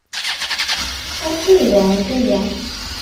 Amek ay ẓrant aya?